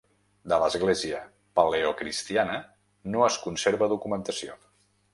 De l'església paleocristiana no es conserva documentació.